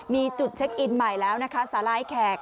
มีจุดเช็คอินใหม่แล้วนะคะสาลายแขก